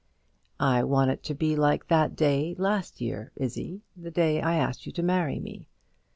"I want it to be like that day last year, Izzie; the day I asked you to marry me.